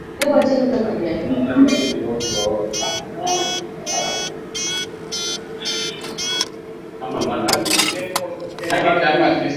katuma tume ya wachungaji wakenda wakaona